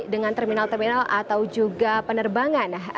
dengan terminal terminal atau juga penerbangan